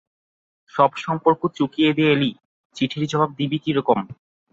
সব সম্পর্ক চুকিয়ে দিয়ে এলি, চিঠির জবাব দিবি কীরকম?